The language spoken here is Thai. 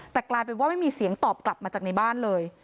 แต่กลายเป็นว่าไม่มีเสียงตอบกลับมาจากในบ้านเลย